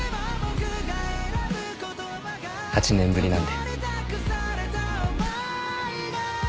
８年ぶりなんで。